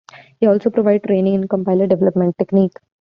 He also provides training in compiler development techniques.